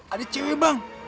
ada cewek bang